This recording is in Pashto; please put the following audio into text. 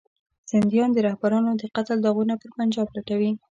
سندیان د رهبرانو د قتل داغونه پر پنجاب لټوي.